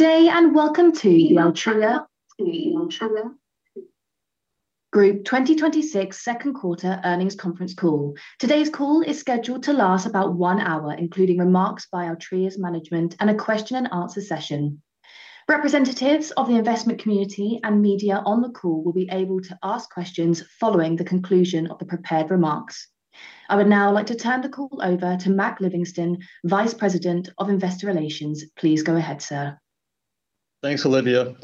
Good day, and welcome to the Altria Group 2026 second quarter earnings conference call. Today's call is scheduled to last about one hour, including remarks by Altria's management and a question and answer session. Representatives of the investment community and media on the call will be able to ask questions following the conclusion of the prepared remarks. I would now like to turn the call over to Mac Livingston, Vice President of Investor Relations. Please go ahead, sir. Thanks, Olivia.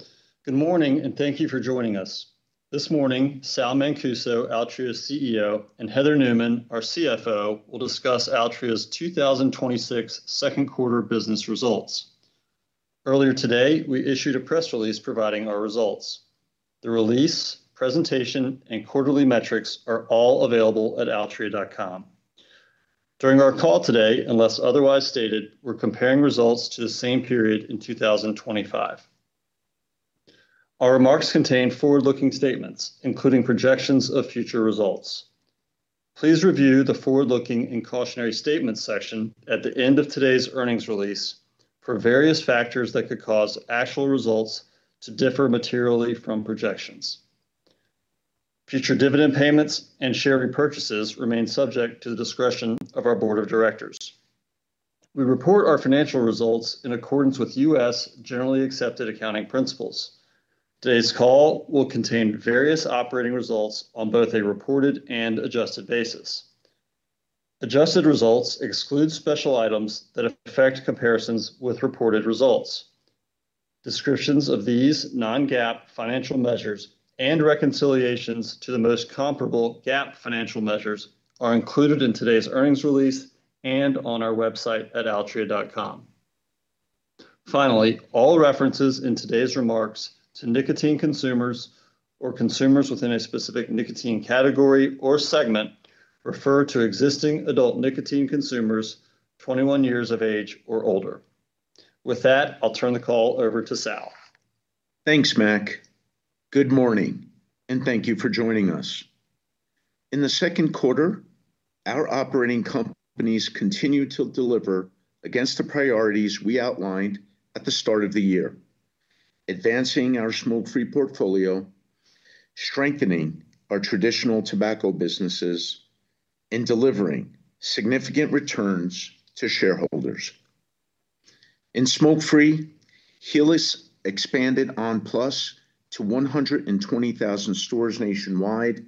Good morning. Thank you for joining us. This morning, Sal Mancuso, Altria's CEO, and Heather Newman, our CFO, will discuss Altria's 2026 second quarter business results. Earlier today, we issued a press release providing our results. The release, presentation, and quarterly metrics are all available at altria.com. During our call today, unless otherwise stated, we're comparing results to the same period in 2025. Our remarks contain forward-looking statements, including projections of future results. Please review the forward-looking and cautionary statements section at the end of today's earnings release for various factors that could cause actual results to differ materially from projections. Future dividend payments and share repurchases remain subject to the discretion of our board of directors. We report our financial results in accordance with U.S. generally accepted accounting principles. Today's call will contain various operating results on both a reported and adjusted basis. Adjusted results exclude special items that affect comparisons with reported results. Descriptions of these non-GAAP financial measures and reconciliations to the most comparable GAAP financial measures are included in today's earnings release and on our website at altria.com. Finally, all references in today's remarks to nicotine consumers or consumers within a specific nicotine category or segment refer to existing adult nicotine consumers 21 years of age or older. With that, I'll turn the call over to Sal. Thanks, Mac. Good morning. Thank you for joining us. In the second quarter, our operating companies continued to deliver against the priorities we outlined at the start of the year, advancing our smoke-free portfolio, strengthening our traditional tobacco businesses, and delivering significant returns to shareholders. In smoke-free, Helix expanded on! PLUS to 120,000 stores nationwide,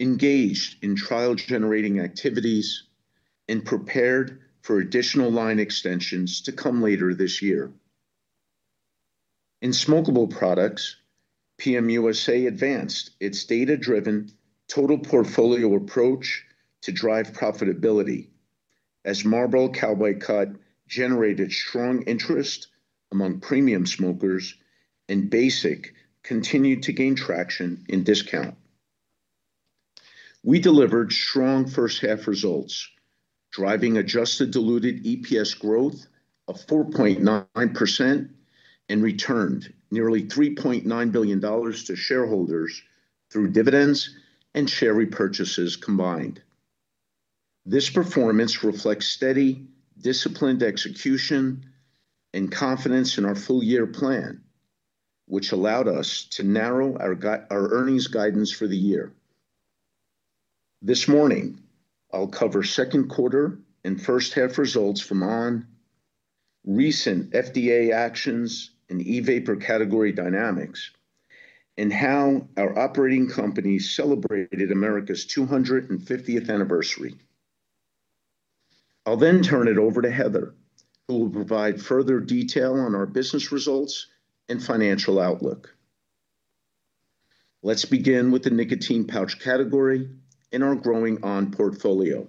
engaged in trial-generating activities, and prepared for additional line extensions to come later this year. In smokeable products, PM USA advanced its data-driven total portfolio approach to drive profitability as Marlboro Cowboy Cut generated strong interest among premium smokers and Basic continued to gain traction in discount. We delivered strong first half results, driving adjusted diluted EPS growth of 4.9% and returned nearly $3.9 billion to shareholders through dividends and share repurchases combined. This performance reflects steady, disciplined execution and confidence in our full year plan, which allowed us to narrow our earnings guidance for the year. This morning, I'll cover second quarter and first half results from on!, recent FDA actions and e-vapor category dynamics, and how our operating companies celebrated America's 250th anniversary. I'll then turn it over to Heather, who will provide further detail on our business results and financial outlook. Let's begin with the nicotine pouch category in our growing on! portfolio.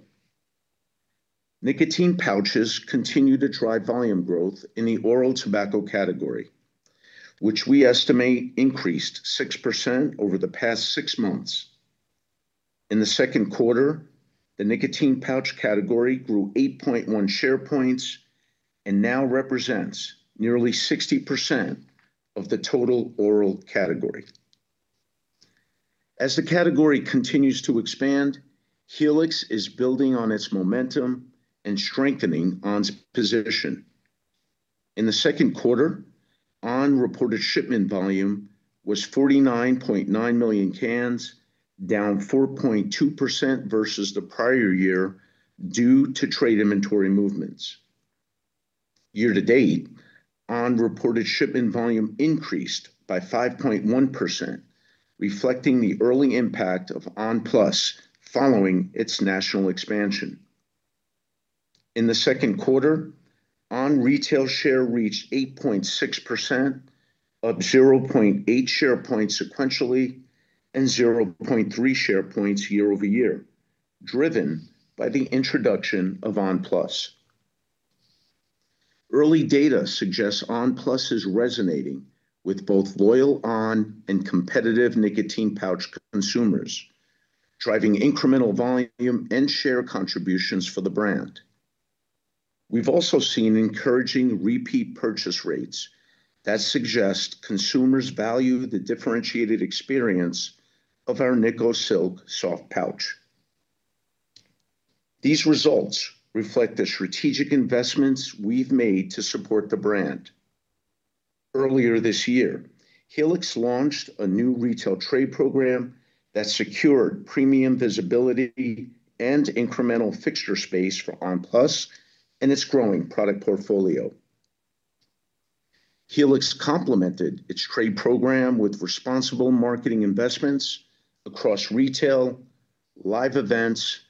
Nicotine pouches continue to drive volume growth in the oral tobacco category, which we estimate increased 6% over the past six months. In the second quarter, the nicotine pouch category grew 8.1 share points and now represents nearly 60% of the total oral category. As the category continues to expand, Helix is building on its momentum and strengthening on!'s position. In the second quarter, on! reported shipment volume was 49.9 million cans, down 4.2% versus the prior year due to trade inventory movements. Year-to-date, on! reported shipment volume increased by 5.1%, reflecting the early impact of on! PLUS following its national expansion. In the second quarter, on! retail share reached 8.6%, up 0.8 share points sequentially and 0.3 share points year-over-year, driven by the introduction of on! PLUS. Early data suggests on! PLUS is resonating with both loyal on! and competitive nicotine pouch consumers, driving incremental volume and share contributions for the brand. We've also seen encouraging repeat purchase rates that suggest consumers value the differentiated experience of our NICOSILK soft pouch. These results reflect the strategic investments we've made to support the brand. Earlier this year, Helix launched a new retail trade program that secured premium visibility and incremental fixture space for on! PLUS and its growing product portfolio. Helix complemented its trade program with responsible marketing investments across retail, live events,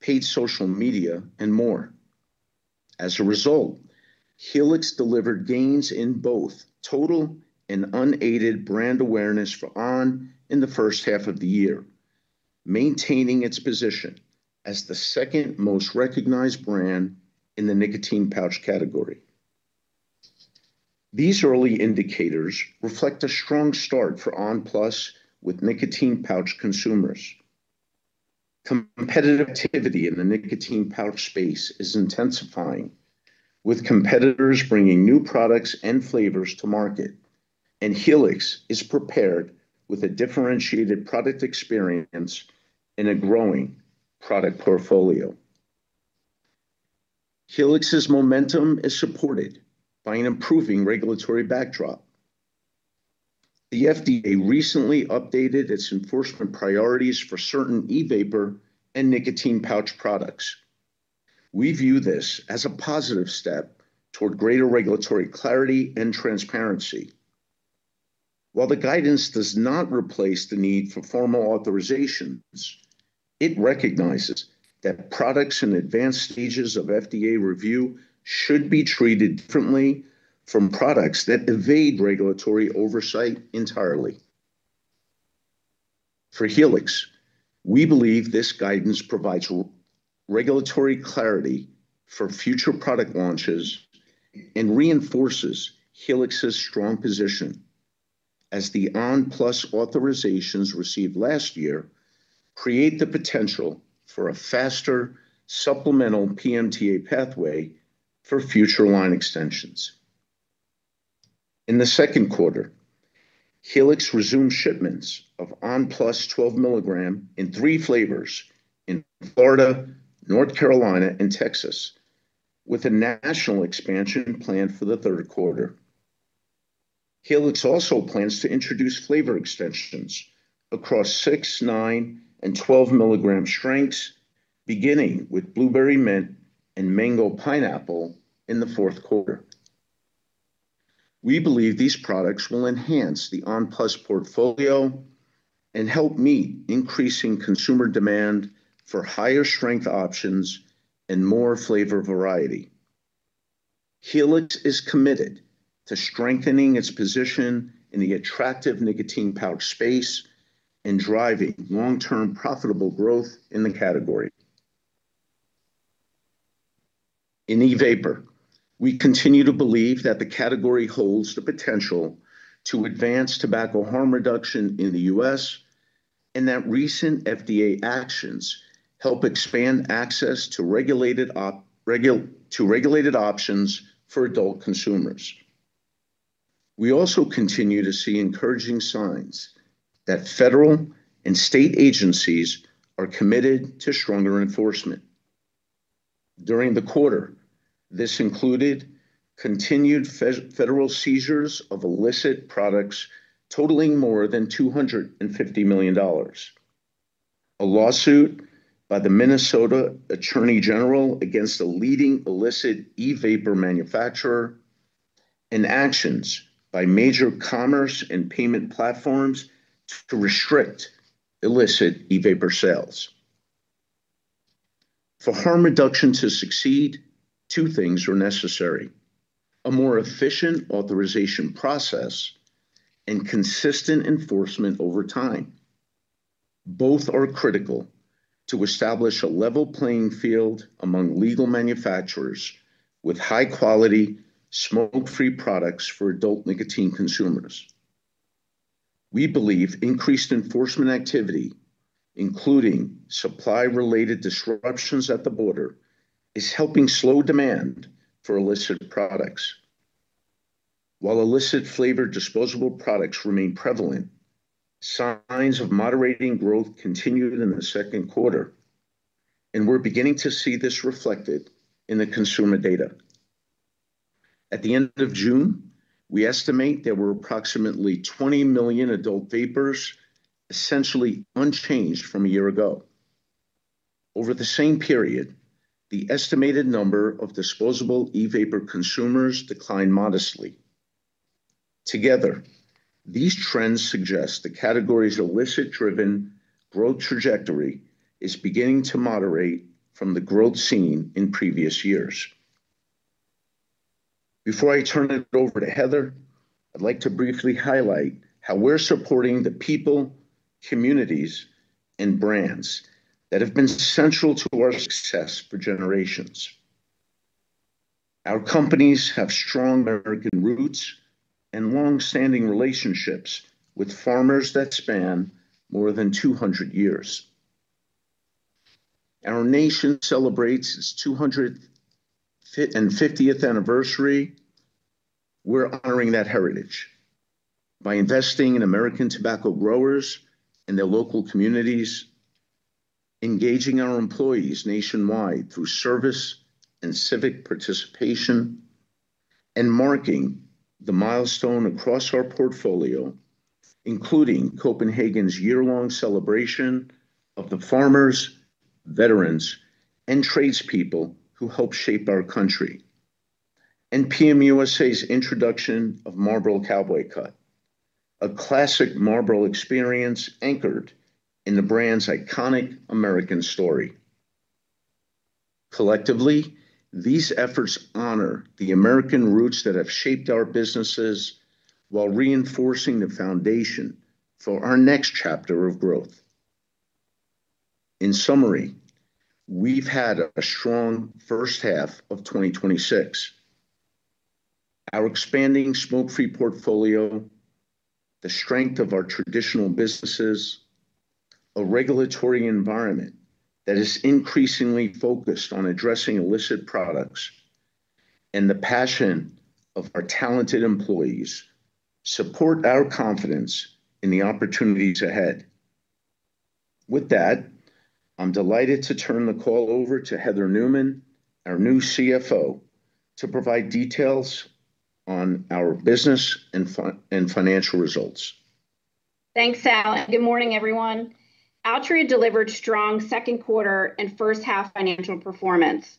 paid social media, and more. As a result, Helix delivered gains in both total and unaided brand awareness for on! in the first half of the year, maintaining its position as the second-most recognized brand in the nicotine pouch category. These early indicators reflect a strong start for on! PLUS with nicotine pouch consumers. Competitivity in the nicotine pouch space is intensifying, with competitors bringing new products and flavors to market, and Helix is prepared with a differentiated product experience and a growing product portfolio. Helix's momentum is supported by an improving regulatory backdrop. The FDA recently updated its enforcement priorities for certain e-vapor and nicotine pouch products. We view this as a positive step toward greater regulatory clarity and transparency. While the guidance does not replace the need for formal authorizations, it recognizes that products in advanced stages of FDA review should be treated differently from products that evade regulatory oversight entirely. For Helix, we believe this guidance provides regulatory clarity for future product launches and reinforces Helix's strong position as the on! PLUS authorizations received last year create the potential for a faster supplemental PMTA pathway for future line extensions. In the second quarter, Helix resumed shipments of on! PLUS 12 mg in three flavors in Florida, North Carolina, and Texas, with a national expansion planned for the third quarter. Helix also plans to introduce flavor extensions across 6, 9, and 12 mg strengths, beginning with Blueberry Mint and Mango Pineapple in the fourth quarter. We believe these products will enhance the on! PLUS portfolio and help meet increasing consumer demand for higher strength options and more flavor variety. Helix is committed to strengthening its position in the attractive nicotine pouch space and driving long-term profitable growth in the category. In e-vapor, we continue to believe that the category holds the potential to advance tobacco harm reduction in the U.S. and that recent FDA actions help expand access to regulated options for adult consumers. We also continue to see encouraging signs that federal and state agencies are committed to stronger enforcement. During the quarter, this included continued federal seizures of illicit products totaling more than $250 million, a lawsuit by the Minnesota Attorney General against a leading illicit e-vapor manufacturer, and actions by major commerce and payment platforms to restrict illicit e-vapor sales. For harm reduction to succeed, two things are necessary: a more efficient authorization process and consistent enforcement over time. Both are critical to establish a level playing field among legal manufacturers with high-quality smoke-free products for adult nicotine consumers. We believe increased enforcement activity, including supply-related disruptions at the border, is helping slow demand for illicit products. While illicit flavored disposable products remain prevalent, signs of moderating growth continued in the second quarter, and we're beginning to see this reflected in the consumer data. At the end of June, we estimate there were approximately 20 million adult vapers, essentially unchanged from a year ago. Over the same period, the estimated number of disposable e-vapor consumers declined modestly. Together, these trends suggest the category's illicit-driven growth trajectory is beginning to moderate from the growth seen in previous years. Before I turn it over to Heather, I'd like to briefly highlight how we're supporting the people, communities, and brands that have been central to our success for generations. Our companies have strong American roots and longstanding relationships with farmers that span more than 200 years. Our nation celebrates its 250th anniversary. We're honoring that heritage by investing in American tobacco growers in their local communities, engaging our employees nationwide through service and civic participation, and marking the milestone across our portfolio, including Copenhagen's year-long celebration of the farmers, veterans, and tradespeople who helped shape our country. PM USA's introduction of Marlboro Cowboy Cut, a classic Marlboro experience anchored in the brand's iconic American story. Collectively, these efforts honor the American roots that have shaped our businesses while reinforcing the foundation for our next chapter of growth. In summary, we've had a strong first half of 2026. Our expanding smoke-free portfolio, the strength of our traditional businesses, a regulatory environment that is increasingly focused on addressing illicit products, and the passion of our talented employees support our confidence in the opportunities ahead. With that, I'm delighted to turn the call over to Heather Newman, our new CFO, to provide details on our business and financial results. Thanks, Sal. Good morning, everyone. Altria delivered strong second quarter and first half financial performance.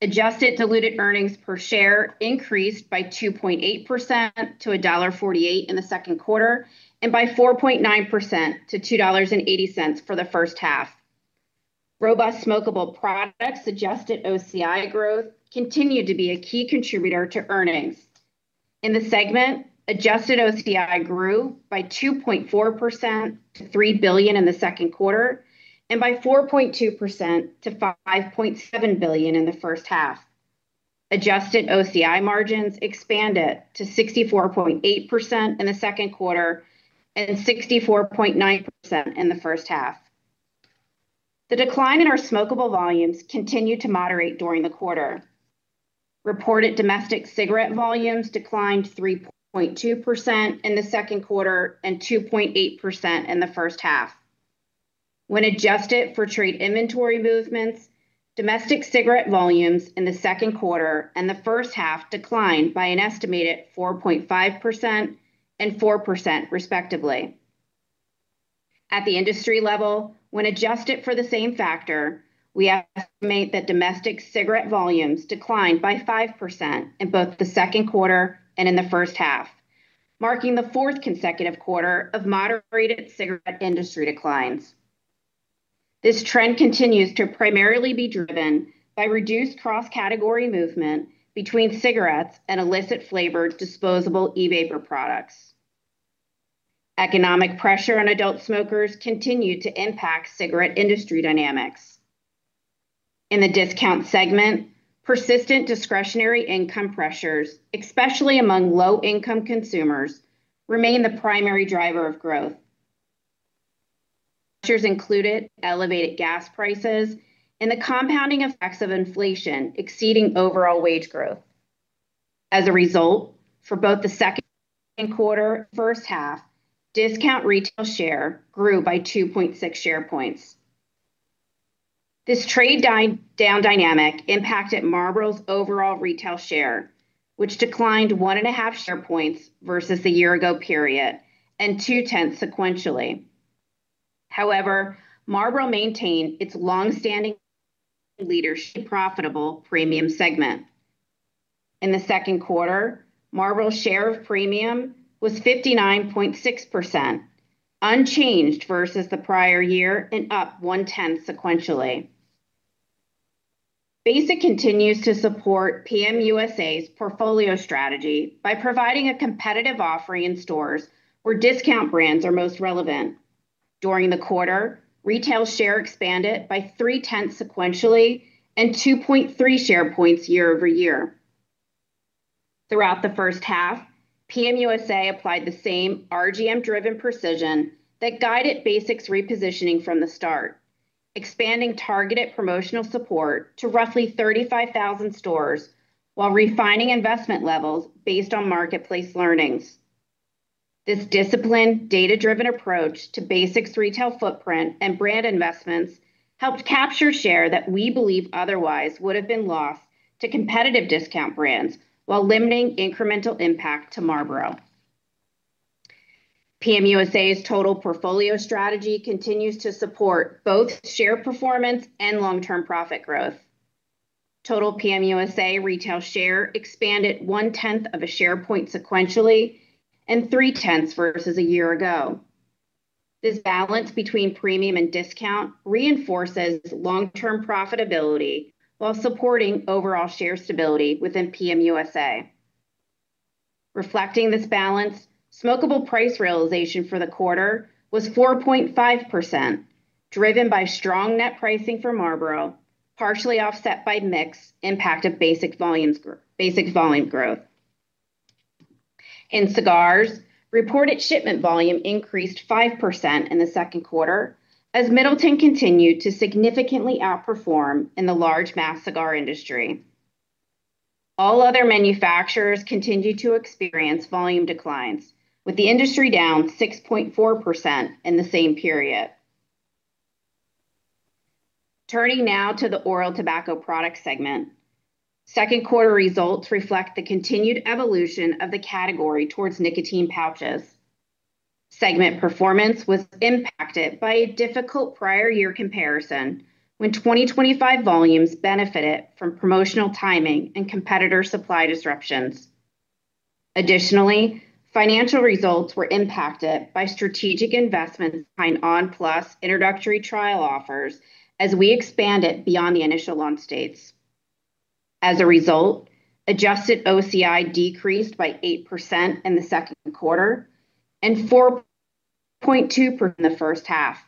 Adjusted diluted earnings per share increased by 2.8% to $1.48 in the second quarter and by 4.9% to $2.80 for the first half. Robust smokable products, adjusted OCI growth continued to be a key contributor to earnings. In the segment, adjusted OCI grew by 2.4% to $3 billion in the second quarter, and by 4.2% to $5.7 billion in the first half. Adjusted OCI margins expanded to 64.8% in the second quarter and 64.9% in the first half. The decline in our smokable volumes continued to moderate during the quarter. Reported domestic cigarette volumes declined 3.2% in the second quarter and 2.8% in the first half. When adjusted for trade inventory movements, domestic cigarette volumes in the second quarter and the first half declined by an estimated 4.5% and 4%, respectively. At the industry level, when adjusted for the same factor, we estimate that domestic cigarette volumes declined by 5% in both the second quarter and in the first half, marking the fourth consecutive quarter of moderated cigarette industry declines. This trend continues to primarily be driven by reduced cross-category movement between cigarettes and illicit flavored disposable e-vapor products. Economic pressure on adult smokers continued to impact cigarette industry dynamics. In the discount segment, persistent discretionary income pressures, especially among low-income consumers, remain the primary driver of growth. Pressures included elevated gas prices and the compounding effects of inflation exceeding overall wage growth. As a result, for both the second quarter first half, discount retail share grew by 2.6 share points. This trade down dynamic impacted Marlboro's overall retail share, which declined one and a half share points versus the year ago period, and two-tenths sequentially. Marlboro maintained its long-standing leadership profitable premium segment. In the second quarter, Marlboro's share of premium was 59.6%, unchanged versus the prior year, and up one-tenth sequentially. Basic continues to support PM USA's portfolio strategy by providing a competitive offering in stores where discount brands are most relevant. During the quarter, retail share expanded by three-tenths sequentially and 2.3 share points year-over-year. Throughout the first half, PM USA applied the same RGM-driven precision that guided Basic's repositioning from the start, expanding targeted promotional support to roughly 35,000 stores while refining investment levels based on marketplace learnings. This disciplined, data-driven approach to Basic's retail footprint and brand investments helped capture share that we believe otherwise would've been lost to competitive discount brands while limiting incremental impact to Marlboro. PM USA's total portfolio strategy continues to support both share performance and long-term profit growth. Total PM USA retail share expanded 1/10 of a share point sequentially and 3/10 versus a year ago. This balance between premium and discount reinforces long-term profitability while supporting overall share stability within PM USA. Reflecting this balance, smokable price realization for the quarter was 4.5%, driven by strong net pricing for Marlboro, partially offset by mix impact of basic volume growth. In cigars, reported shipment volume increased 5% in the second quarter as Middleton continued to significantly outperform in the large mass cigar industry. All other manufacturers continued to experience volume declines, with the industry down 6.4% in the same period. Turning now to the oral tobacco product segment. Second quarter results reflect the continued evolution of the category towards nicotine pouches. Segment performance was impacted by a difficult prior year comparison when 2025 volumes benefited from promotional timing and competitor supply disruptions. Additionally, financial results were impacted by strategic investments behind on! PLUS introductory trial offers as we expanded beyond the initial launch dates. As a result, adjusted OCI decreased by 8% in the second quarter and 4.2% in the first half.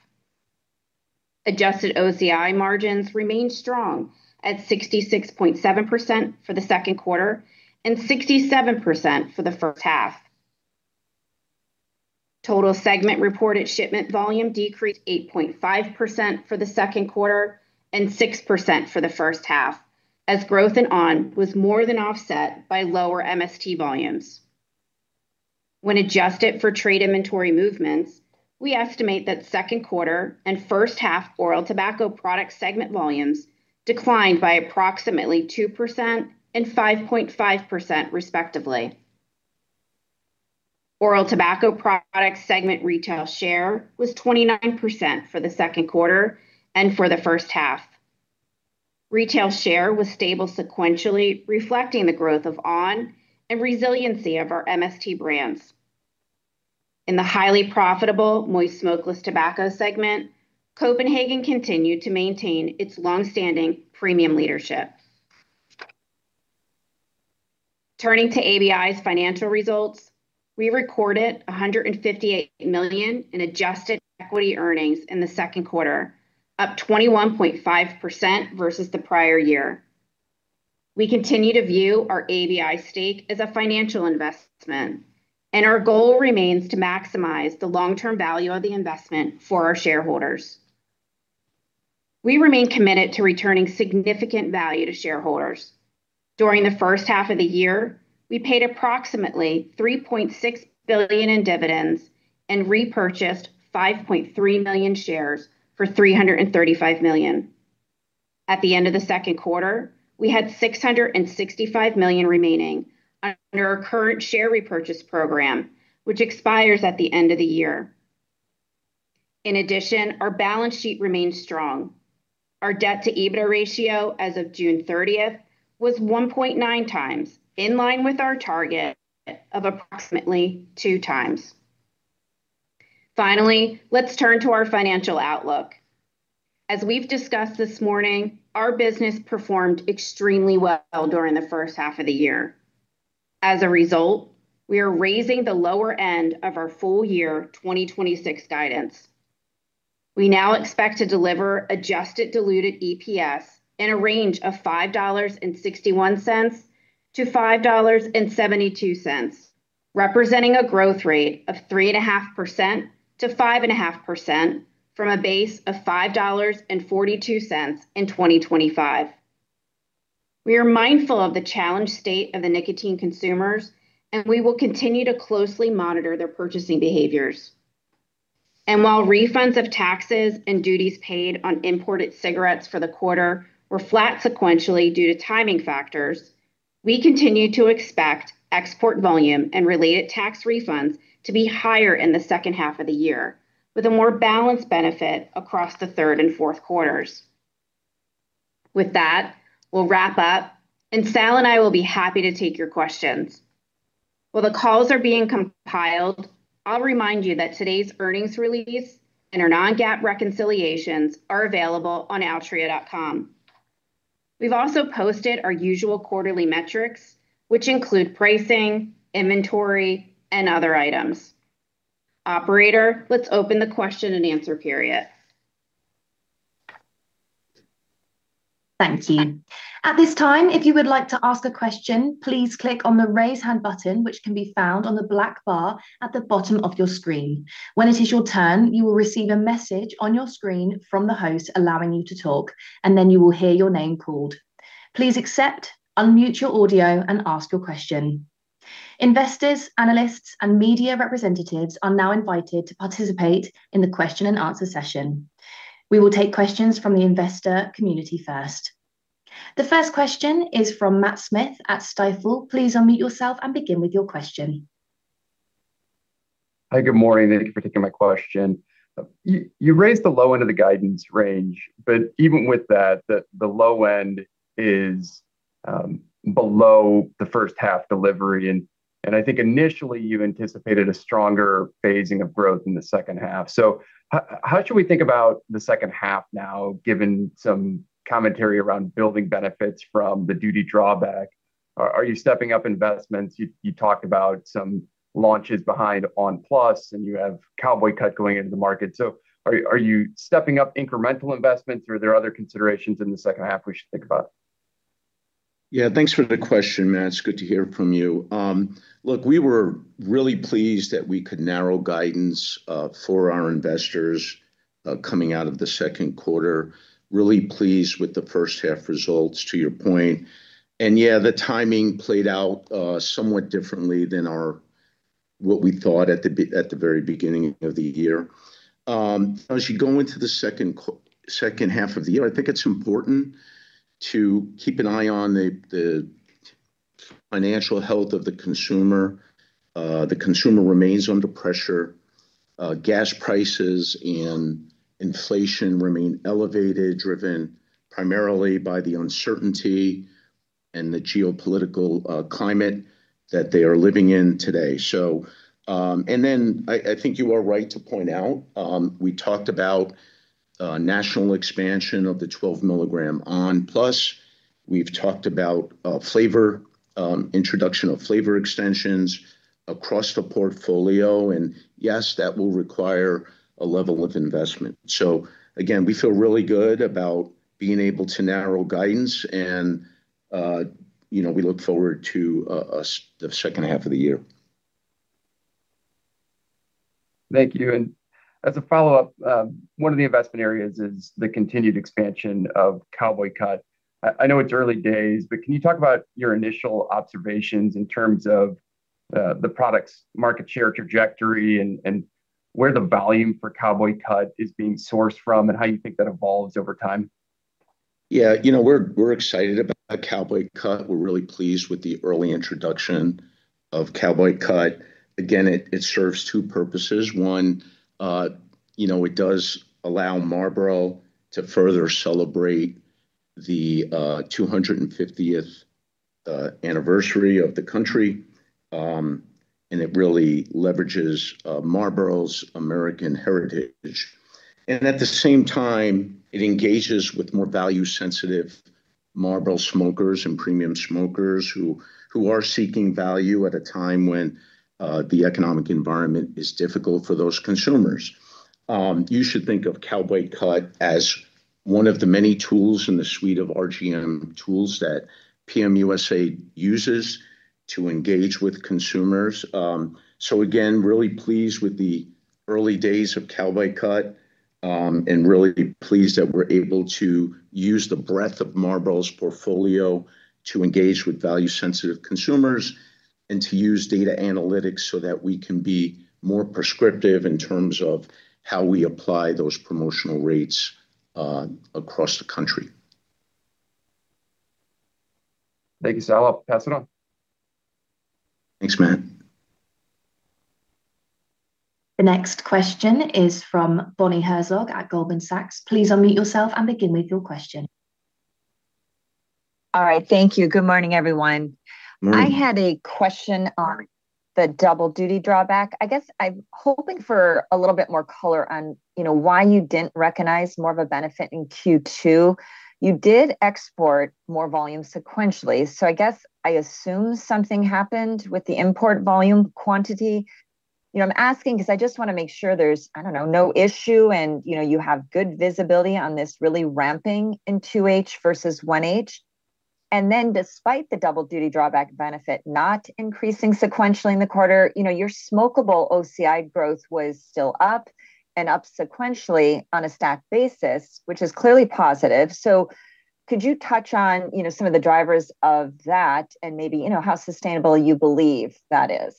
Adjusted OCI margins remained strong at 66.7% for the second quarter and 67% for the first half. Total segment reported shipment volume decreased 8.5% for the second quarter and 6% for the first half, as growth in on! was more than offset by lower MST volumes. When adjusted for trade inventory movements, we estimate that second quarter and first half oral tobacco product segment volumes declined by approximately 2% and 5.5%, respectively. Oral tobacco product segment retail share was 29% for the second quarter and for the first half. Retail share was stable sequentially, reflecting the growth of on! and resiliency of our MST brands. In the highly profitable moist smokeless tobacco segment, Copenhagen continued to maintain its longstanding premium leadership. Turning to ABI's financial results. We recorded $158 million in adjusted equity earnings in the second quarter, up 21.5% versus the prior year. We continue to view our ABI stake as a financial investment, and our goal remains to maximize the long-term value of the investment for our shareholders. We remain committed to returning significant value to shareholders. During the first half of the year, we paid approximately $3.6 billion in dividends and repurchased 5.3 million shares for $335 million. At the end of the second quarter, we had $665 million remaining under our current share repurchase program, which expires at the end of the year. In addition, our balance sheet remains strong. Our debt to EBITDA ratio as of June 30th was 1.9x, in line with our target of approximately two times. Finally, let's turn to our financial outlook. As we've discussed this morning, our business performed extremely well during the first half of the year. As a result, we are raising the lower end of our full year 2026 guidance. We now expect to deliver adjusted diluted EPS in a range of $5.61-$5.72, representing a growth rate of 3.5%-5.5% from a base of $5.42 in 2025. We are mindful of the challenged state of the nicotine consumers, and we will continue to closely monitor their purchasing behaviors. While refunds of taxes and duties paid on imported cigarettes for the quarter were flat sequentially due to timing factors, we continue to expect export volume and related tax refunds to be higher in the second half of the year, with a more balanced benefit across the third and fourth quarters. With that, we'll wrap up, and Sal and I will be happy to take your questions. While the calls are being compiled, I'll remind you that today's earnings release and our non-GAAP reconciliations are available on altria.com. We've also posted our usual quarterly metrics, which include pricing, inventory, and other items. Operator, let's open the question and answer period. Thank you. At this time, if you would like to ask a question, please click on the raise hand button, which can be found on the black bar at the bottom of your screen. When it is your turn, you will receive a message on your screen from the host allowing you to talk, then you will hear your name called. Please accept, unmute your audio, and ask your question. Investors, analysts, and media representatives are now invited to participate in the question and answer session. We will take questions from the investor community first. The first question is from Matt Smith at Stifel. Please unmute yourself and begin with your question. Hi, good morning, thank you for taking my question. You raised the low end of the guidance range, even with that, the low end is below the first half delivery, I think initially you anticipated a stronger phasing of growth in the second half. How should we think about the second half now, given some commentary around building benefits from the duty drawback? Are you stepping up investments? You talked about some launches behind on! PLUS, you have Cowboy Cut going into the market. Are you stepping up incremental investments, or are there other considerations in the second half we should think about? Thanks for the question, Matt. It's good to hear from you. Look, we were really pleased that we could narrow guidance for our investors coming out of the second quarter. Really pleased with the first half results, to your point. The timing played out somewhat differently than what we thought at the very beginning of the year. As you go into the second half of the year, I think it's important to keep an eye on the financial health of the consumer. The consumer remains under pressure. Gas prices and inflation remain elevated, driven primarily by the uncertainty and the geopolitical climate that they are living in today. I think you are right to point out, we talked about national expansion of the 12 mg on! PLUS. We've talked about introduction of flavor extensions across the portfolio. Yes, that will require a level of investment. Again, we feel really good about being able to narrow guidance and we look forward to the second half of the year. Thank you. As a follow-up, one of the investment areas is the continued expansion of Cowboy Cut. I know it's early days, can you talk about your initial observations in terms of the product's market share trajectory and where the volume for Cowboy Cut is being sourced from, and how you think that evolves over time? Yeah. We're excited about Cowboy Cut. We're really pleased with the early introduction of Cowboy Cut. Again, it serves two purposes. One, it does allow Marlboro to further celebrate the 250th anniversary of the country, and it really leverages Marlboro's American heritage. At the same time, it engages with more value-sensitive Marlboro smokers and premium smokers who are seeking value at a time when the economic environment is difficult for those consumers. You should think of Cowboy Cut as one of the many tools in the suite of RGM tools that PM USA uses to engage with consumers. Again, really pleased with the early days of Cowboy Cut, and really pleased that we're able to use the breadth of Marlboro's portfolio to engage with value-sensitive consumers, and to use data analytics so that we can be more prescriptive in terms of how we apply those promotional rates across the country. Thank you, Sal. I'll pass it on. Thanks, Matt. The next question is from Bonnie Herzog at Goldman Sachs. Please unmute yourself and begin with your question. All right. Thank you. Good morning, everyone. Morning. I had a question on the double duty drawback. I guess I'm hoping for a little bit more color on why you didn't recognize more of a benefit in Q2. You did export more volume sequentially, so I guess I assume something happened with the import volume quantity. I'm asking because I just want to make sure there's, I don't know, no issue, and you have good visibility on this really ramping in 2H versus 1H. Despite the double duty drawback benefit not increasing sequentially in the quarter, your smokable OCI growth was still up and up sequentially on a stacked basis, which is clearly positive. Could you touch on some of the drivers of that and maybe how sustainable you believe that is?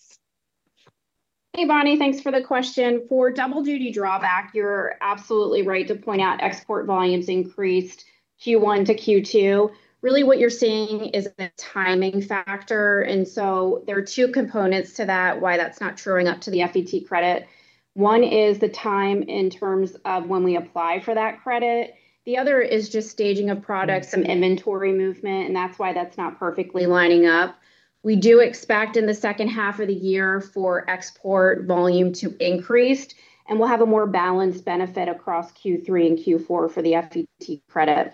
Hey, Bonnie. Thanks for the question. For double duty drawback, you're absolutely right to point out export volumes increased Q1 to Q2. Really what you're seeing is a timing factor. There are two components to that, why that's not truing up to the FET credit. One is the time in terms of when we apply for that credit. The other is just staging of product, some inventory movement, and that's why that's not perfectly lining up. We do expect in the second half of the year for export volume to increase, and we'll have a more balanced benefit across Q3 and Q4 for the FET credit.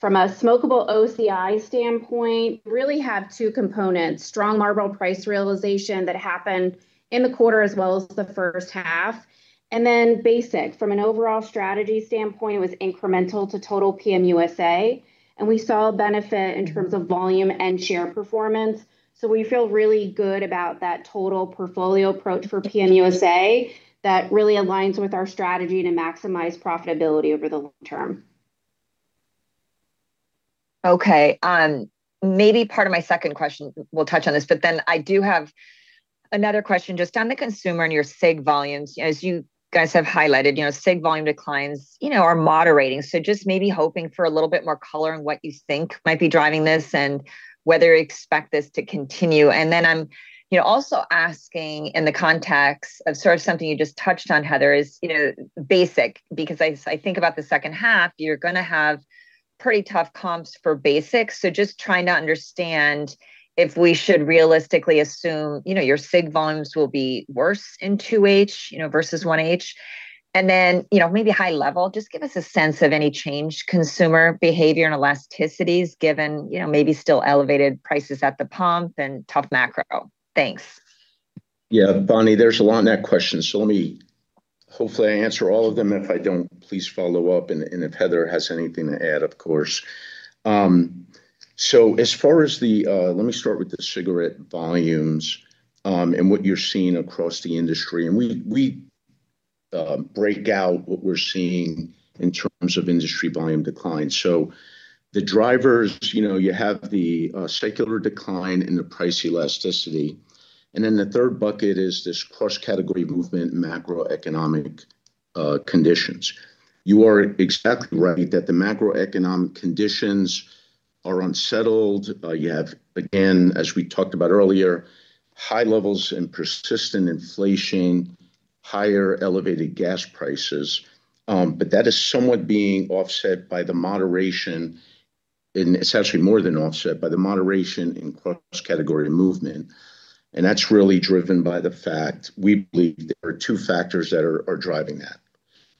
From a smokable OCI standpoint, really have two components, strong Marlboro price realization that happened in the quarter as well as the first half, and then Basic. From an overall strategy standpoint, it was incremental to total PM USA, and we saw a benefit in terms of volume and share performance. We feel really good about that total portfolio approach for PM USA that really aligns with our strategy to maximize profitability over the long term. Okay. Maybe part of my second question will touch on this, but I do have another question just on the consumer and your cig volumes. As you guys have highlighted, cig volume declines are moderating. Just maybe hoping for a little bit more color on what you think might be driving this and whether you expect this to continue. I'm also asking in the context of something you just touched on, Heather, is Basic, because as I think about the second half, you're going to have pretty tough comps for Basic. Just trying to understand if we should realistically assume your cig volumes will be worse in 2H versus 1H. Maybe high level, just give us a sense of any changed consumer behavior and elasticities given maybe still elevated prices at the pump and tough macro. Thanks. Yeah, Bonnie, there's a lot in that question. Let me Hopefully I answer all of them. If I don't, please follow up, and if Heather has anything to add, of course. Let me start with the cigarette volumes and what you're seeing across the industry. We break out what we're seeing in terms of industry volume decline. The drivers you have the secular decline and the price elasticity the third bucket is this cross-category movement macroeconomic conditions. You are exactly right that the macroeconomic conditions are unsettled. You have, again, as we talked about earlier, high levels and persistent inflation, higher elevated gas prices that is somewhat being offset by the moderation, and it's actually more than offset, by the moderation in cross-category movement. That's really driven by the fact we believe there are two factors that are driving that.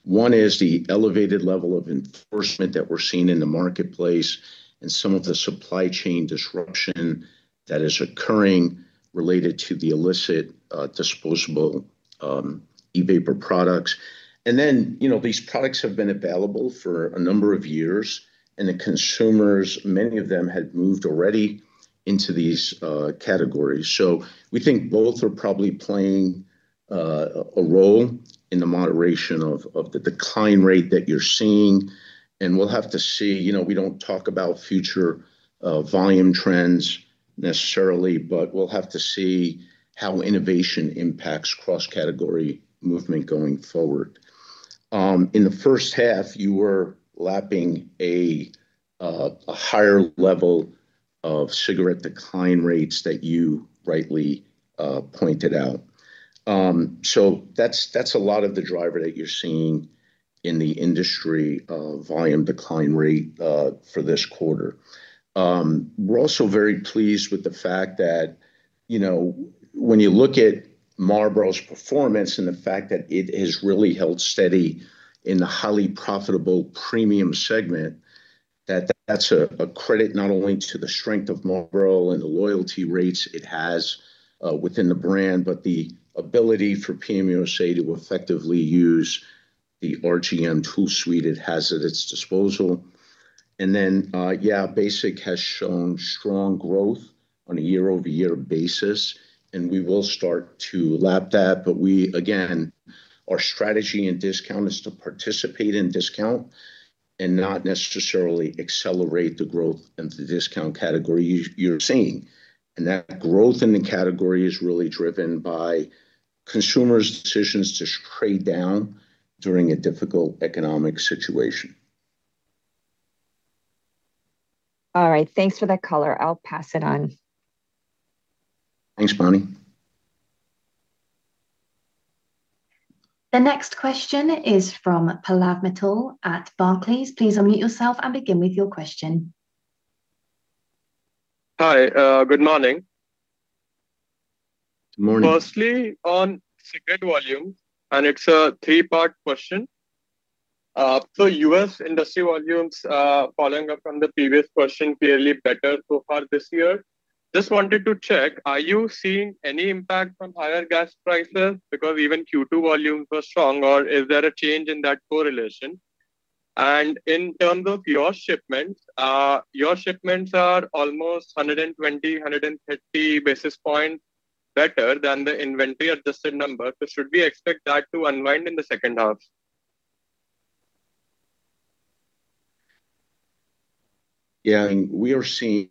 One is the elevated level of enforcement that we're seeing in the marketplace and some of the supply chain disruption that is occurring related to the illicit disposable e-vapor products. These products have been available for a number of years, and the consumers, many of them had moved already into these categories. We think both are probably playing a role in the moderation of the decline rate that you're seeing, and we'll have to see. We don't talk about future volume trends necessarily, but we'll have to see how innovation impacts cross-category movement going forward. In the first half, you were lapping a higher level of cigarette decline rates that you rightly pointed out. That's a lot of the driver that you're seeing in the industry volume decline rate for this quarter. We're also very pleased with the fact that when you look at Marlboro's performance and the fact that it has really held steady in the highly profitable premium segment, that that's a credit not only to the strength of Marlboro and the loyalty rates it has within the brand, but the ability for PM USA to effectively use the RGM tool suite it has at its disposal. Yeah, Basic has shown strong growth on a year-over-year basis, and we will start to lap that. We, again, our strategy in discount is to participate in discount and not necessarily accelerate the growth of the discount category you're seeing. That growth in the category is really driven by consumers' decisions to trade down during a difficult economic situation. All right. Thanks for that color. I'll pass it on. Thanks, Bonnie. The next question is from Pallav Mittal at Barclays. Please unmute yourself and begin with your question. Hi. Good morning. Morning. Firstly, on cigarette volume. It's a three-part question. U.S. industry volumes, following up from the previous question, clearly better so far this year. Just wanted to check, are you seeing any impact from higher gas prices because even Q2 volumes were strong, or is there a change in that correlation? In terms of your shipments, your shipments are almost 120, 130 basis points better than the inventory-adjusted number. Should we expect that to unwind in the second half? Yeah. We are seeing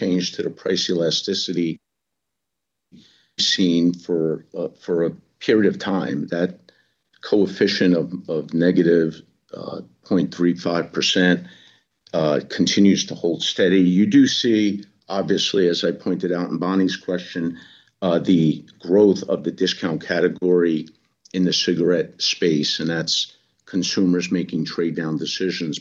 change to the price elasticity seen for a period of time. That coefficient of negative 0.35% continues to hold steady. You do see, obviously, as I pointed out in Bonnie question, the growth of the discount category in the cigarette space. That's consumers making trade-down decisions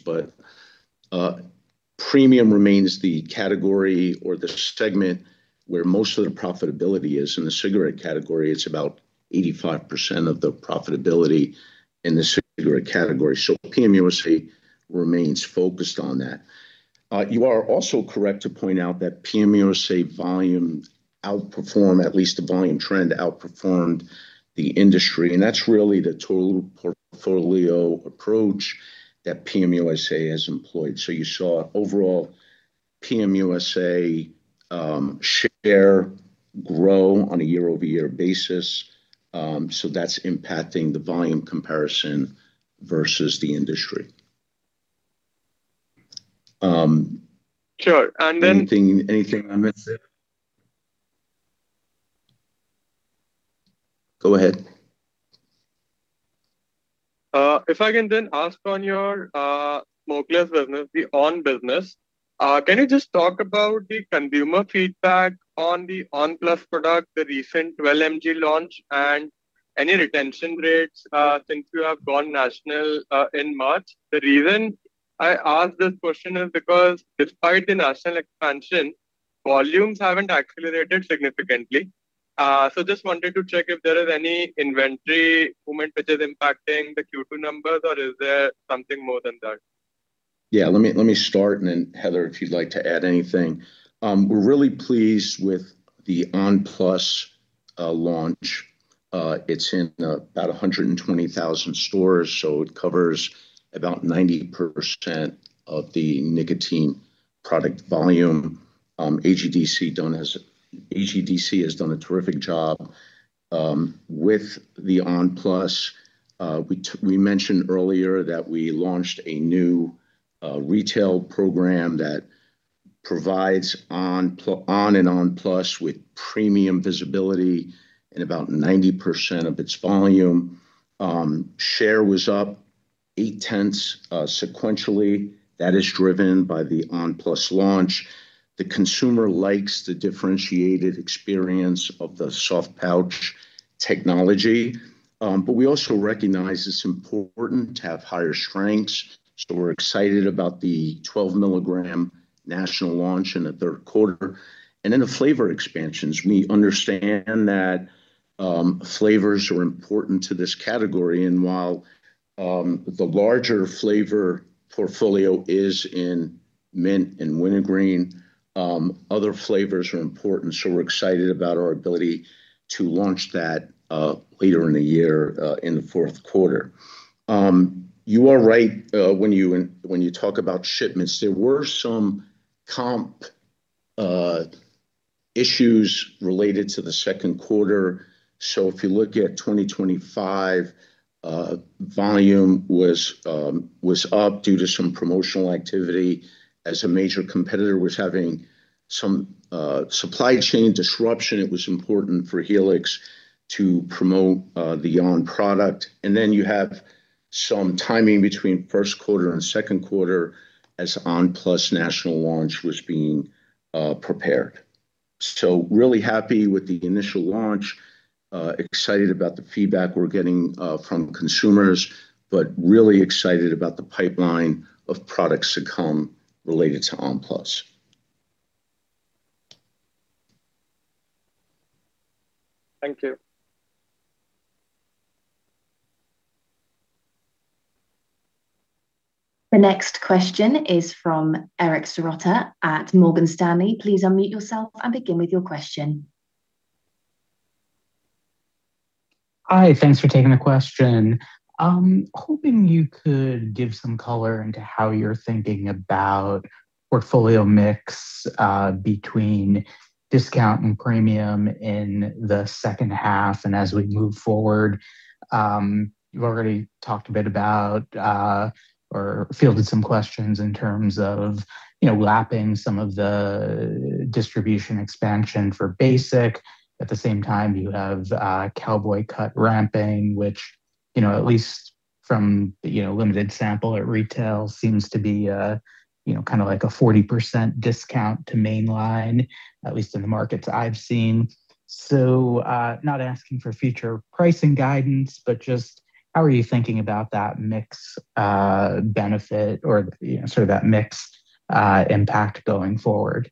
premium remains the category or the segment where most of the profitability is in the cigarette category, it's about 85% of the profitability in the cigarette category. PM USA remains focused on that. You are also correct to point out that PM USA volume outperform, at least the volume trend outperformed the industry. That's really the total portfolio approach that PM USA has employed. You saw overall PM USA share grow on a year-over-year basis. That's impacting the volume comparison versus the industry. Sure. Anything I missed there? Go ahead. If I can then ask on your smokeless business, the on! business. Can you just talk about the consumer feedback on the on! PLUS product, the recent 12 mg launch, and any retention rates since you have gone national in March? The reason I ask this question is because despite the national expansion, volumes haven't accelerated significantly. Just wanted to check if there is any inventory movement which is impacting the Q2 numbers, or is there something more than that? Let me start, Heather, if you'd like to add anything. We're really pleased with the on! PLUS launch. It's in about 120,000 stores, so it covers about 90% of the nicotine product volume. AGDC has done a terrific job with the on! PLUS. We mentioned earlier that we launched a new retail program that provides on! and on! PLUS with premium visibility in about 90% of its volume. Share was up 0.8 sequentially. That is driven by the on! PLUS launch. The consumer likes the differentiated experience of the soft pouch technology. We also recognize it's important to have higher strengths, so we're excited about the 12 mg national launch in the third quarter. The flavor expansions we understand that flavors are important to this category, and while the larger flavor portfolio is in mint and wintergreen, other flavors are important. We're excited about our ability to launch that later in the year, in the fourth quarter. You are right when you talk about shipments there were some comp issues related to the second quarter. If you look at 2025, volume was up due to some promotional activity as a major competitor was having some supply chain disruption. It was important for Helix to promote the on! product. You have some timing between first quarter and second quarter as on! PLUS national launch was being prepared. Really happy with the initial launch, excited about the feedback we're getting from consumers, but really excited about the pipeline of products to come related to on! PLUS. Thank you. The next question is from Eric Serotta at Morgan Stanley. Please unmute yourself and begin with your question. Hi. Thanks for taking the question. Hoping you could give some color into how you're thinking about portfolio mix between discount and premium in the second half and as we move forward. You've already talked a bit about or fielded some questions in terms of lapping some of the distribution expansion for Basic. At the same time, you have Cowboy Cut ramping, which at least from limited sample at retail, seems to be kind of like a 40% discount to mainline, at least in the markets I've seen. Not asking for future pricing guidance, but just how are you thinking about that mix benefit or sort of that mix impact going forward?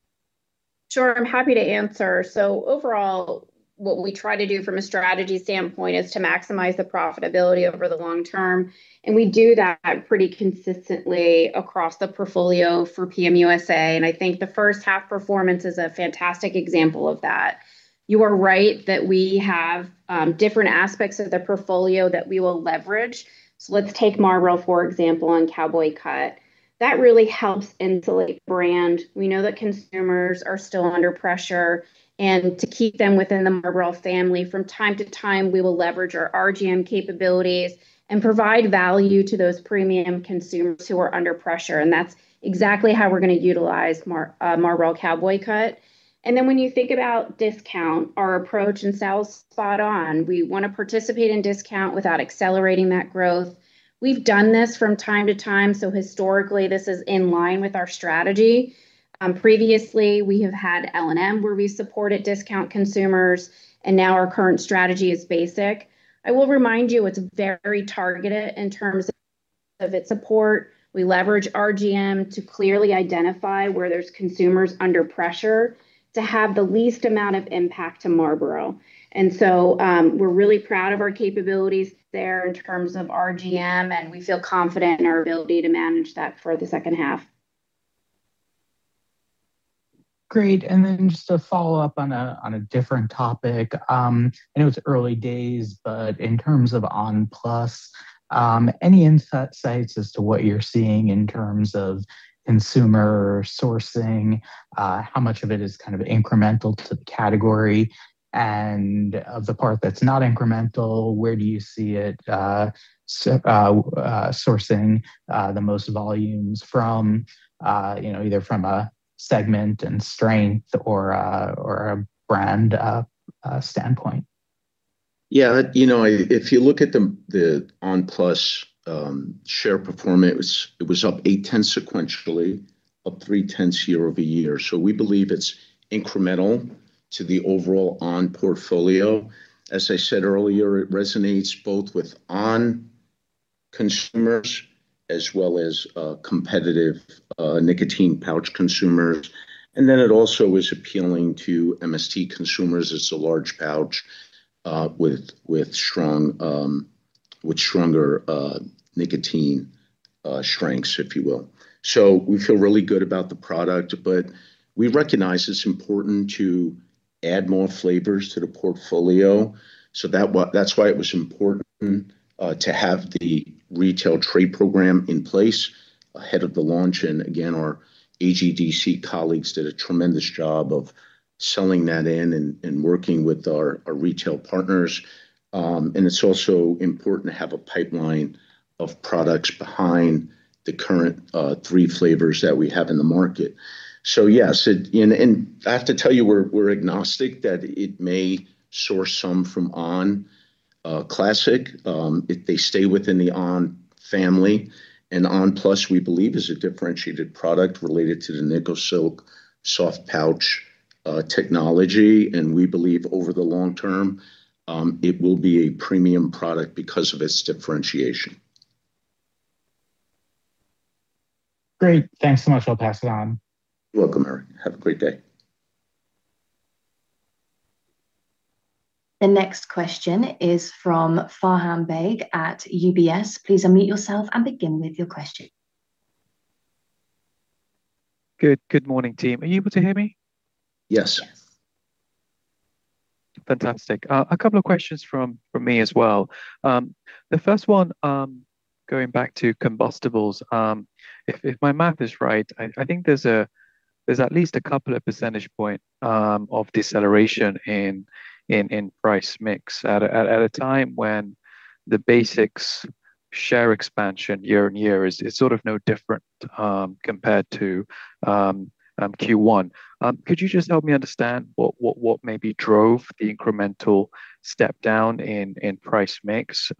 Sure. I'm happy to answer. Overall, what we try to do from a strategy standpoint is to maximize the profitability over the long term, and we do that pretty consistently across the portfolio for PM USA, and I think the first half performance is a fantastic example of that. You are right that we have different aspects of the portfolio that we will leverage. Let's take Marlboro, for example, and Cowboy Cut. That really helps insulate brand. We know that consumers are still under pressure, and to keep them within the Marlboro family, from time to time, we will leverage our RGM capabilities and provide value to those premium consumers who are under pressure, and that's exactly how we're going to utilize Marlboro Cowboy Cut. When you think about discount, our approach and Sal's spot on, we want to participate in discount without accelerating that growth. We've done this from time to time, historically, this is in line with our strategy. Previously, we have had L&M where we supported discount consumers, and now our current strategy is Basic. I will remind you, it's very targeted in terms of its support. We leverage RGM to clearly identify where there's consumers under pressure to have the least amount of impact to Marlboro. We're really proud of our capabilities there in terms of RGM, and we feel confident in our ability to manage that for the second half. Great. Just to follow up on a different topic. I know it's early days, but in terms of on! PLUS, any insights as to what you're seeing in terms of consumer sourcing, how much of it is kind of incremental to the category? Of the part that's not incremental, where do you see it sourcing the most volumes from, either from a segment and strength or a brand standpoint? Yeah. If you look at the on! PLUS share performance, it was up 0.8 sequentially, up 0.3 year-over-year. We believe it's incremental to the overall on! portfolio. As I said earlier, it resonates both with on! consumers as well as competitive nicotine pouch consumers. It also is appealing to MST consumers as a large pouch. With stronger nicotine strengths, if you will. So we feel really good about the product but we recognized the important to add more flavors to the portfolio. That's why it was important to have the retail trade program in place ahead of the launch. Again, our AGDC colleagues did a tremendous job of selling that in and working with our retail partners. It's also important to have a pipeline of products behind the current three flavors that we have in the market. Yes, I have to tell you, we're agnostic that it may source some from on! Classic, if they stay within the on! family. on! PLUS, we believe is a differentiated product related to the NICOSILK soft pouch technology. We believe over the long term, it will be a premium product because of its differentiation. Great. Thanks so much. I'll pass it on. You're welcome, Eric. Have a great day. The next question is from Farham Baig at UBS. Please unmute yourself and begin with your question. Good morning, team. Are you able to hear me? Yes. Fantastic. A couple of questions from me as well. The first one, going back to combustibles. If my math is right, I think there's at least a couple of percentage point of deceleration in price mix at a time when the Basic share expansion year-on-year is sort of no different compared to Q1. Could you just help me understand what maybe drove the incremental step down in price mix,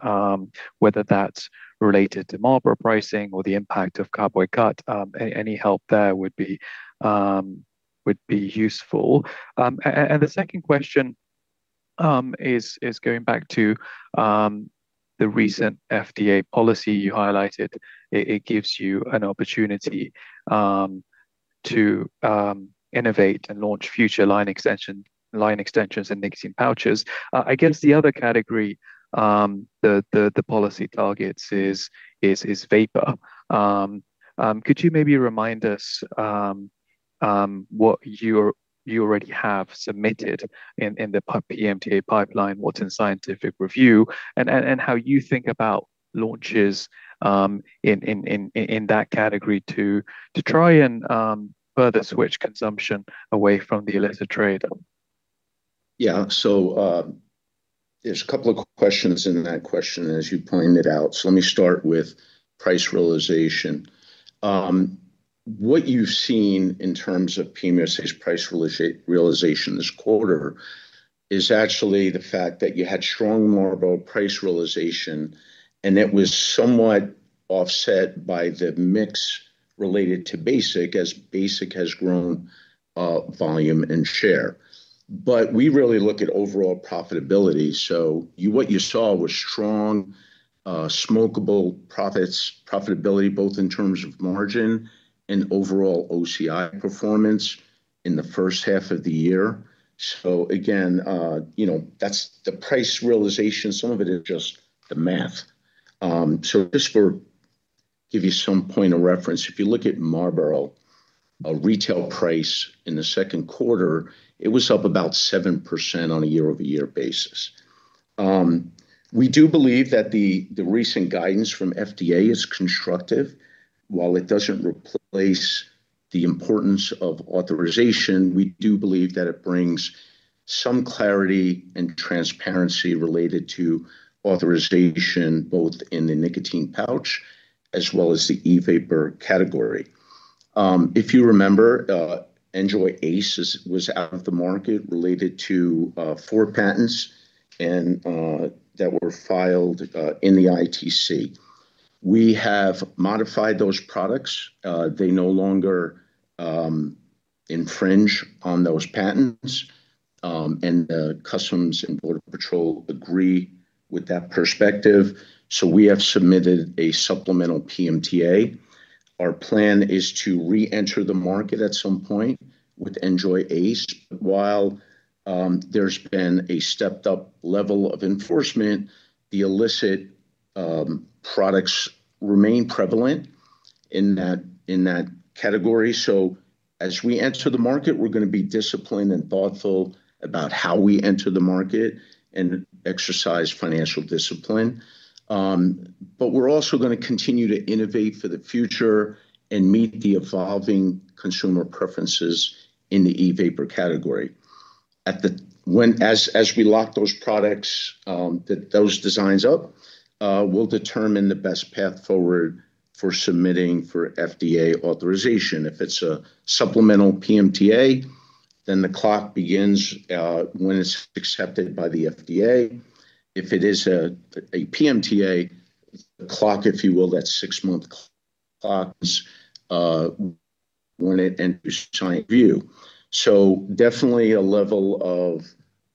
whether that's related to Marlboro pricing or the impact of Cowboy Cut? Any help there would be useful. The second question is going back to the recent FDA policy you highlighted. It gives you an opportunity to innovate and launch future line extensions and nicotine pouches. I guess the other category the policy targets is vapor. Could you maybe remind us what you already have submitted in the PMTA pipeline, what's in scientific review, and how you think about launches in that category to try and further switch consumption away from the illicit trade? Yeah. There's a couple of questions in that question as you pointed out. Let me start with price realization. What you've seen in terms of PM USA's price realization this quarter is actually the fact that you had strong Marlboro price realization, and it was somewhat offset by the mix related to Basic, as Basic has grown volume and share. We really look at overall profitability. What you saw was strong smokable profits, profitability, both in terms of margin and overall OCI performance in the first half of the year. Again, that's the price realization. Some of it is just the math. Just to give you some point of reference, if you look at Marlboro, a retail price in the second quarter, it was up about 7% on a year-over-year basis. We do believe that the recent guidance from FDA is constructive. While it doesn't replace the importance of authorization, we do believe that it brings some clarity and transparency related to authorization, both in the nicotine pouch as well as the e-vapor category. If you remember, NJOY ACE was out of the market related to four patents, that were filed in the ITC. We have modified those products. They no longer infringe on those patents, and the U.S. Customs and Border Protection agree with that perspective. We have submitted a supplemental PMTA. Our plan is to reenter the market at some point with NJOY ACE. While there's been a stepped-up level of enforcement, the illicit products remain prevalent in that category. As we enter the market, we're going to be disciplined and thoughtful about how we enter the market and exercise financial discipline. We're also going to continue to innovate for the future and meet the evolving consumer preferences in the e-vapor category. As we lock those products, those designs up, we'll determine the best path forward for submitting for FDA authorization. If it's a supplemental PMTA, the clock begins when it's accepted by the FDA. If it is a PMTA, the clock, if you will, that six-month clock when it enters scientific review. Definitely a level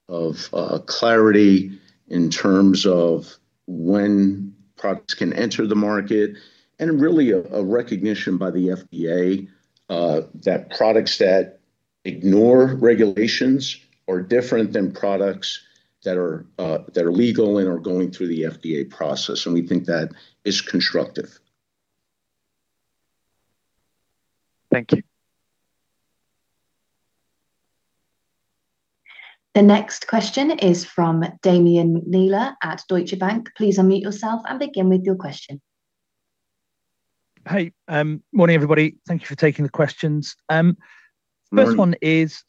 of clarity in terms of when products can enter the market, and really a recognition by the FDA that products that ignore regulations are different than products that are legal and are going through the FDA process, and we think that is constructive. Thank you. The next question is from Damian McNeela at Deutsche Bank. Please unmute yourself and begin with your question. Morning everybody. Thank you for taking the questions. Morning. First one is,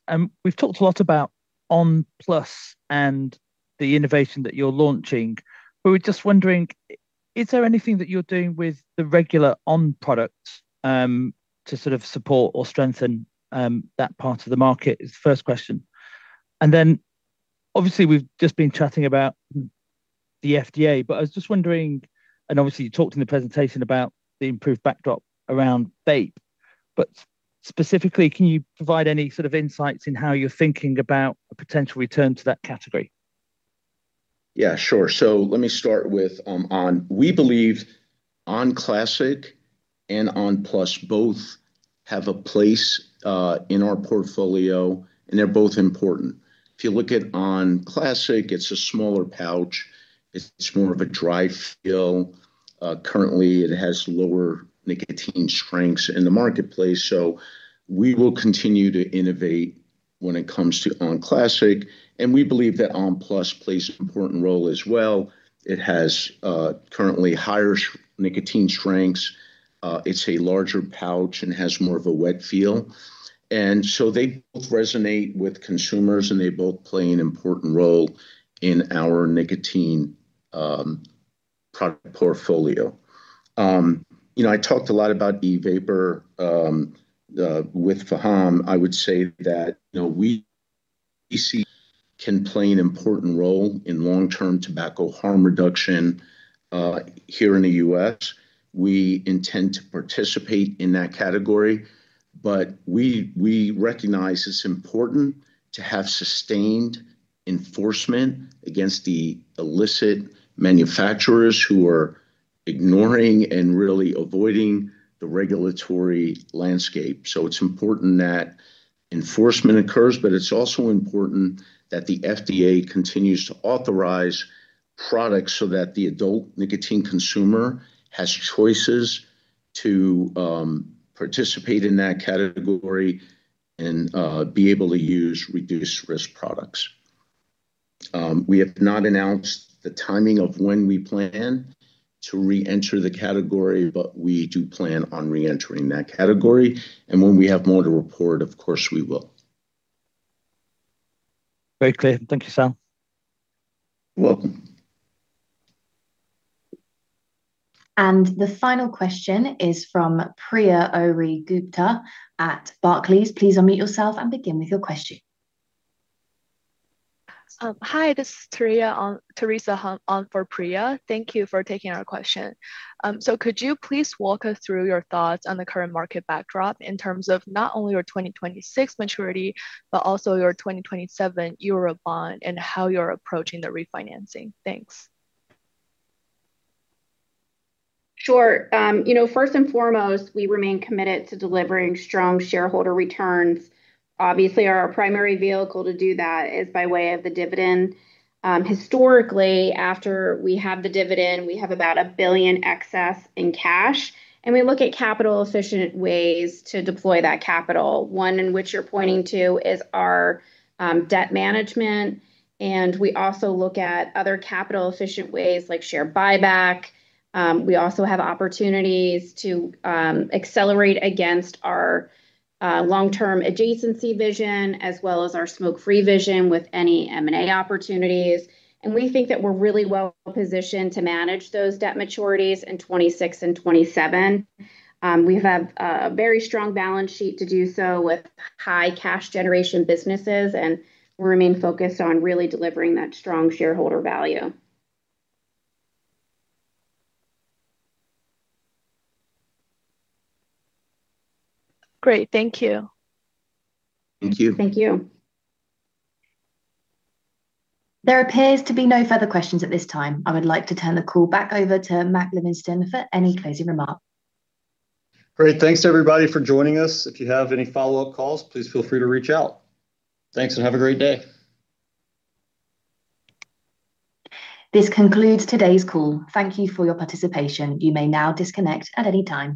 we've talked a lot about on! PLUS and the innovation that you're launching. We were just wondering, is there anything that you're doing with the regular on! product to sort of support or strengthen that part of the market? Is the first question. Obviously we've just been chatting about the FDA, but I was just wondering, obviously you talked in the presentation about the improved backdrop around vape, specifically, can you provide any sort of insights in how you're thinking about a potential return to that category? Yeah, sure. Let me start with on!. We believe on! Classic and on! PLUS both have a place in our portfolio, they're both important. If you look at on! Classic, it's a smaller pouch, it's more of a dry feel. Currently it has lower nicotine strengths in the marketplace, we will continue to innovate when it comes to on! Classic, we believe that on! PLUS plays an important role as well. It has currently higher nicotine strengths. It's a larger pouch and has more of a wet feel. They both resonate with consumers, they both play an important role in our nicotine product portfolio. I talked a lot about e-vapor with Farham. I would say that we see it can play an important role in long-term tobacco harm reduction here in the U.S. We intend to participate in that category, we recognize it's important to have sustained enforcement against the illicit manufacturers who are ignoring and really avoiding the regulatory landscape. It's important that enforcement occurs, it's also important that the FDA continues to authorize products so that the adult nicotine consumer has choices to participate in that category and be able to use reduced-risk products. We have not announced the timing of when we plan to reenter the category, we do plan on reentering that category. When we have more to report, of course we will. Very clear. Thank you, Sal. You're welcome. The final question is from Priya Ohri-Gupta at Barclays. Please unmute yourself and begin with your question. Hi, this is [Teresa Hoang] on for Priya. Thank you for taking our question. Could you please walk us through your thoughts on the current market backdrop in terms of not only your 2026 maturity, but also your 2027 Euro bond and how you're approaching the refinancing? Thanks. Sure. First and foremost, we remain committed to delivering strong shareholder returns. Obviously, our primary vehicle to do that is by way of the dividend. Historically, after we have the dividend, we have about $1 billion excess in cash, and we look at capital-efficient ways to deploy that capital. One in which you're pointing to is our debt management, and we also look at other capital-efficient ways like share buyback. We also have opportunities to accelerate against our long-term adjacency vision as well as our smoke-free vision with any M&A opportunities, and we think that we're really well-positioned to manage those debt maturities in 2026 and 2027. We have a very strong balance sheet to do so with high cash generation businesses, and we remain focused on really delivering that strong shareholder value. Great. Thank you. Thank you. Thank you. There appears to be no further questions at this time. I would like to turn the call back over to Mac Livingston for any closing remark. Great. Thanks to everybody for joining us. If you have any follow-up calls, please feel free to reach out. Thanks, and have a great day. This concludes today's call. Thank you for your participation. You may now disconnect at any time.